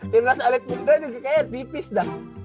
timnas elit muda juga kayaknya tipis dah